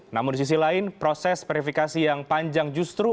namun di sisi lain proses verifikasi yang panjang justru